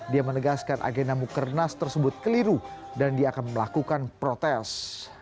dia menegaskan agenda mukernas tersebut keliru dan dia akan melakukan protes